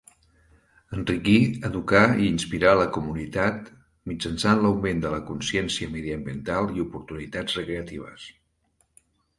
Enriquir, educar i inspirar la comunitat mitjançant l'augment de la consciència mediambiental i oportunitats recreatives.